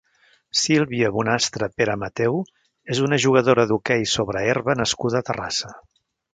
Sílvia Bonastre Peremateu és una jugadora d'hoquei sobre herba nascuda a Terrassa.